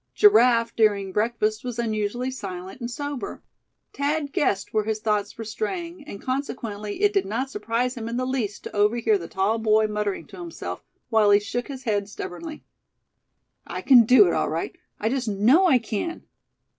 Giraffe during breakfast was unusually silent and sober. Thad guessed where his thoughts were straying, and consequently it did not surprise him in the least to overhear the tall boy muttering to himself, while he shook his head stubbornly: "I c'n do it all right; I just know I can!"